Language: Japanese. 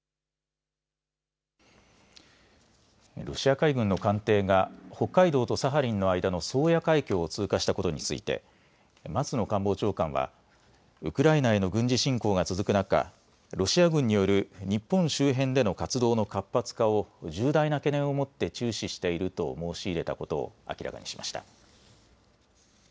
ロシア海軍の艦艇が北海道とサハリンの間の宗谷海峡を通過したことについて松野官房長官はウクライナへの軍事侵攻が続く中、ロシア軍による日本周辺での活動の活発化を重大な懸念を持って注視していると申し入れたことを明らかにしました。